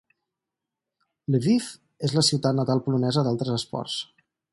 Lviv és la ciutat natal polonesa d'altres esports.